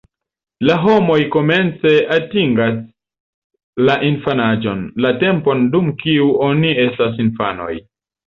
La homoj komence atingas la infanaĝon, la tempon, dum kiu oni estas infanoj.